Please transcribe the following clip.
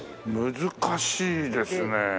難しいですねえ。